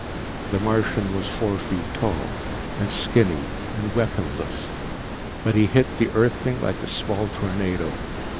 The Martian was four feet tall, and skinny and weaponless, but he hit the Earthling like a small tornado.